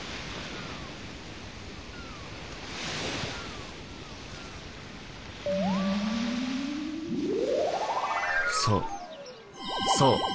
そうそう。